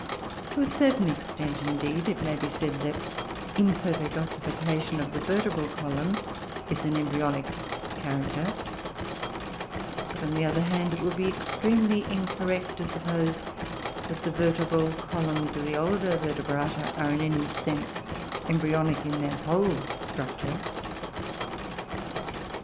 To a certain extent, indeed, it may be said that imperfect ossification of the vertebral column is an embryonic character; but, on the other hand, it would be extremely incorrect to suppose that the vertebral columns of the older Vertebrata are in any sense embryonic in their whole structure.